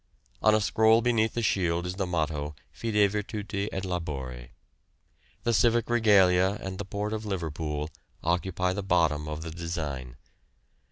On a scroll beneath the shield is the motto 'Fide virtute et labore.' The civic regalia and the port of Liverpool occupy the bottom of the design.